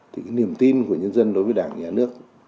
thì cái niềm tin của nhân dân đối với đảng nhà nước